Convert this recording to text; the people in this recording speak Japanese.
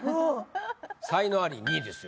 才能アリ２位ですよ。